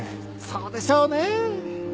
そうでしょうね！